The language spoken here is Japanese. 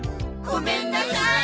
ごめんなさい。